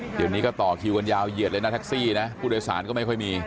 เดี๋ยวนี้ก็ต่อคิวกันยาวเหยียดเลยนะแท็กซี่นะผู้โดยสารก็ไม่ค่อยมี